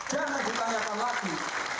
jangan ditanyakan lagi